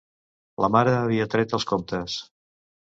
La mare havia tret els comptes.